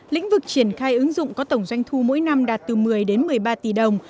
lĩnh vực triển khai ứng dụng có tổng doanh thu mỗi năm đạt từ một mươi đến một mươi ba tỷ đồng